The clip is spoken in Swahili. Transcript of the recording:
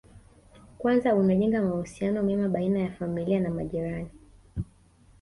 Kwanza unajenga mahusiano mema baina ya familia na majirani